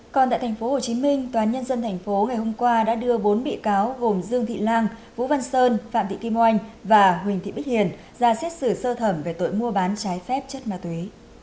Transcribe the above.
còn tại tp hcm tòa nhân dân tp ngày hôm qua đã đưa bốn bị cáo gồm dương thị lan vũ văn sơn phạm thị kim oanh và huỳnh thị bích hiền ra xét xử sơ thẩm về tội mua bán trái phép chất ma túy